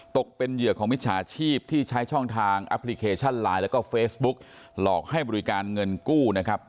ตกเป็นเหยื่อของมิจฉาชีพที่ใช้ช่องทางแอปพลิเคชันไลน์แล้วก็เฟซบุ๊กหลอกให้บริการเงินกู้นะครับ